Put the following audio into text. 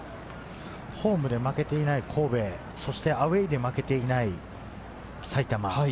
ホームで負けていない神戸、そしてアウェーで負けていない埼玉。